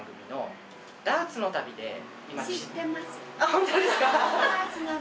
ホントですか。